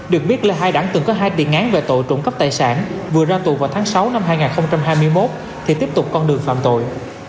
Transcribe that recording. được biết lê hai đẳng từng có hai tiền án về tội trộm cắp tài sản vừa ra tù vào tháng sáu năm hai nghìn hai mươi một thì tiếp tục con đường phạm tội